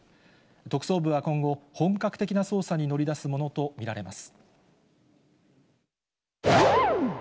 特捜部は今後、本格的な捜査に乗り出すものと見られます。